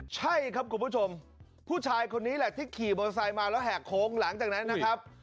ใช่ครับคุณผู้ชมผู้ชายคนนี้แหละที่ขี่มอเตอร์ไซค์มาแล้วแหกโค้งหลังจากนั้นนะครับ